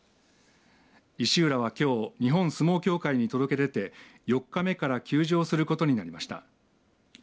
石浦はきょう日本相撲協会に届け出て４日目から休場することになりました。